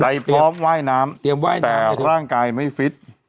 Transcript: หลายพร้อมว่ายน้ำแต่ร่างกายไม่ฟิต